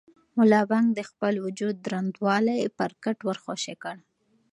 ملا بانګ د خپل وجود دروندوالی پر کټ ور خوشې کړ.